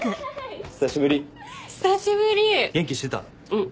うん。